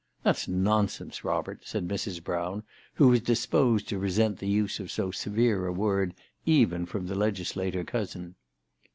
" That's nonsense, Robert," said Mrs. Brown, who was disposed to resent the use of so severe a word, even from the legislator cousin.